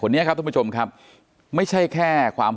เป็นวันที่๑๕ธนวาคมแต่คุณผู้ชมค่ะกลายเป็นวันที่๑๕ธนวาคม